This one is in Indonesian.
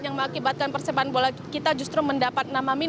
yang mengakibatkan persebaya bola kita justru mendapat nama minus